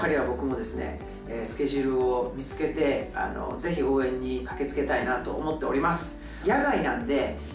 ぜひ応援に駆けつけたいなと思っております。